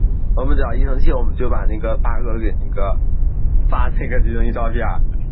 元坑陈氏民居的历史年代为清。